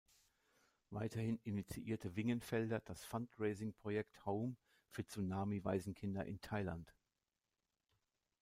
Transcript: Weiterhin initiierte Wingenfelder das Fundraising-Projekt „Home“ für Tsunami-Waisenkinder in Thailand.